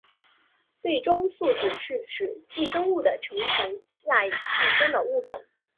最终宿主是指寄生物的成虫赖以寄生的物种。